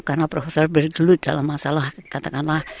karena profesor bergelut dalam masalah katakanlah